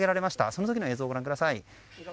その時の映像をご覧ください。